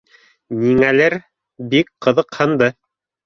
Ниңәлер бик ҡыҙыҡһынды